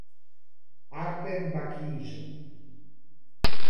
Artem Buc'kyj